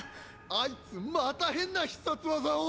アイツまた変な必殺技を！